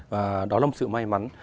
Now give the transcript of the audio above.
và đó là một sự may mắn